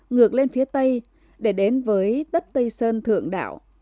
ngược lên phía tây để đến với đất tây sơn thượng đạo